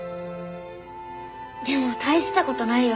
でも大した事ないよ。